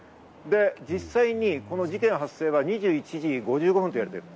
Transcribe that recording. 実際にこの事件発生は２１時５５分と言われている。